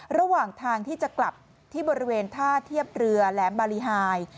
ระหว่างทางที่จะกลับที่บริเวณท่าเทียบเรือแหลมบารีไฮ